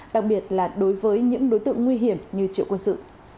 đặc biệt là đối với những đối tượng nguy hiểm như triệu quân sự